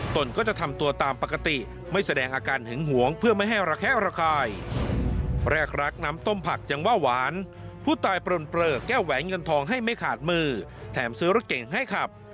ผู้ตายเปลือนเปลือกแก้วแหวงเงินทองให้ไม่ขาดมือแถมซื้อรถเจ๋งให้ขับ